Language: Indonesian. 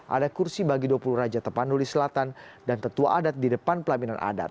ada kursi bagi dua puluh raja tepanuli selatan dan tetua adat di depan pelaminan adat